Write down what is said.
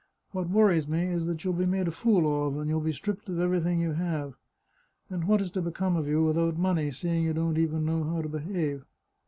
What worries me is that you'll be made a fool of, and you'll be stripped of everything you have. And what is to be come of you without money, seeing you don't even know how to behave